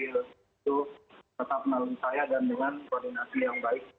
itu tetap melalui saya dan dengan koordinasi yang baik